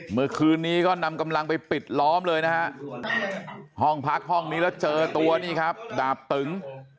เมื่อคืนนี้ก็นำกำลังไปปิดล้อมเลยนะฮะห้องพักห้องนี้แล้วเจอตัวนี่ครับดาบตึง